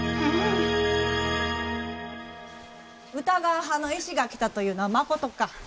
歌川派の絵師が来たというのはまことか？